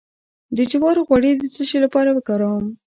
د جوارو غوړي د څه لپاره وکاروم؟